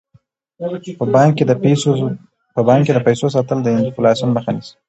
په بانک کې د پیسو ساتل د انفلاسیون مخه نیسي.